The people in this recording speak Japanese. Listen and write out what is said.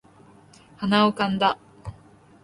鼻をかんだ